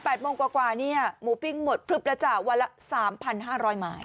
ตี๘โมงกว่าเนี่ยหมูพิ้งหมดพลึกละจ่ะวันละ๓๕๐๐ไม้